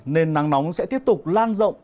nên nắng nóng sẽ tiếp tục lan rộng